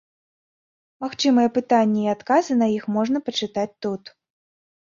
Магчымыя пытанні і адказы на іх можна пачытаць тут.